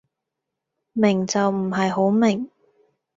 明就唔係好明